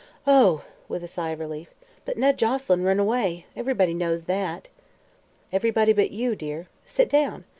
"Oh," with a sigh of relief. "But Ned Joselyn run away. Ev'rybody knows that." "Everybody but you, dear. Sit down.